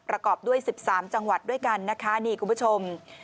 ประกอบด้วย๑๓จังหวัดด้วยกันนะคะนี่คุณผู้ชม